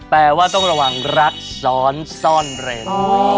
แปลว่าต้องระวังรักซ้อนซ่อนเร้น